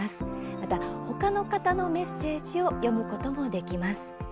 また、他の方のメッセージを読むこともできます。